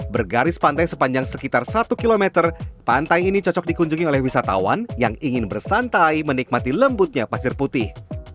bergaris pantai sepanjang sekitar satu km pantai ini cocok dikunjungi oleh wisatawan yang ingin bersantai menikmati lembutnya pasir putih